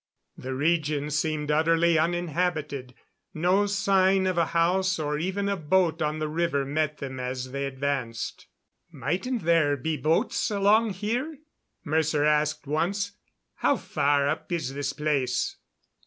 The region seemed utterly uninhabited; no sign of a house or even a boat on the river met them as they advanced. "Mightn't there be boats along here?" Mercer asked once. "How far up is this place?"